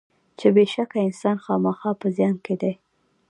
چې بېشکه انسان خامخا په زیان کې دی.